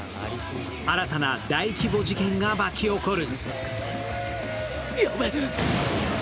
新たな大規模事件が巻き起こる。